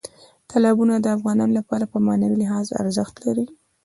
تالابونه د افغانانو لپاره په معنوي لحاظ ارزښت لري.